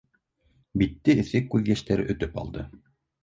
Битте эҫе күҙ йәштәре өтөп алды.